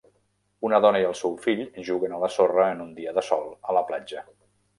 Una dona i el seu fill juguen a la sorra en un dia de sol a la platja.